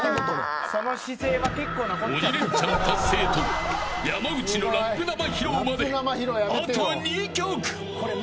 鬼レンチャン達成と山内のラップ生披露まであと２曲。